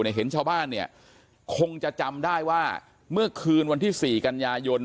เห็นชาวบ้านเนี่ยคงจะจำได้ว่าเมื่อคืนวันที่๔กันยายน